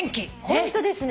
ホントですね。